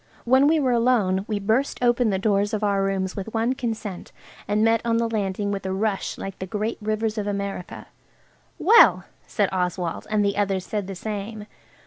When we were alone we burst open the doors of our rooms with one consent, and met on the landing with a rush like the great rivers of America. "Well!" said Oswald, and the others said the same.